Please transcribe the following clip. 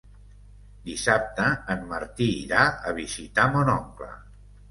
Dissabte en Martí irà a visitar mon oncle.